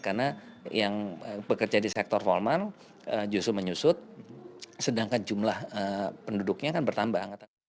karena yang bekerja di sektor formal justru menyusut sedangkan jumlah penduduknya kan bertambah